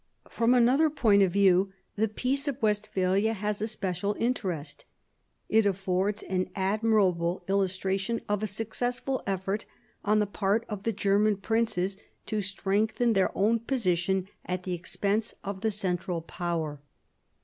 From another point of view the Peace of Westphalia has a special interest. It aflPords an admirable illustra tion of a successful eflPort on the part of the German princes to strengthen their own position at the expense of the central power.